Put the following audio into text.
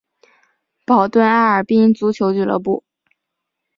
保顿艾尔宾足球俱乐部。